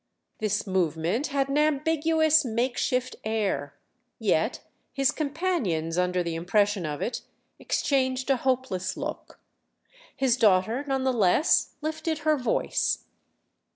This movement had an ambiguous makeshift air, yet his companions, under the impression of it, exchanged a hopeless look. His daughter none the less lifted her voice.